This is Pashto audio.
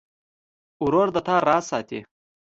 ورور د تا راز ساتي.